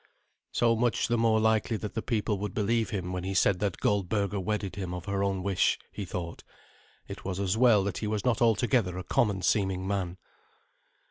So much the more likely that the people would believe him when he said that Goldberga wedded him of her own wish, he thought. It was as well that he was not altogether a common seeming man.